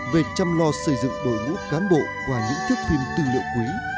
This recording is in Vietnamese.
về chăm lo xây dựng đội ngũ cán bộ qua những thước phim tư liệu quý